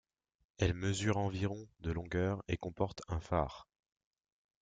Elle mesure environ de longueur et comporte un phare.